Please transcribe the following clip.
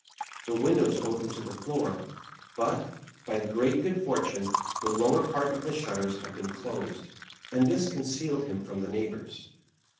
The windows opened to the floor ; but, by great, good fortune, the lower part of the shutters had been dosed, and this concealed him from the neighbors.